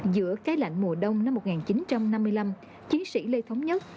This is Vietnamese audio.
giữa cái lạnh mùa đông năm một nghìn chín trăm năm mươi năm chiến sĩ lê thống nhất